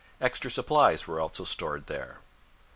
Extra supplies were also stored there.